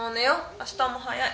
明日も早い。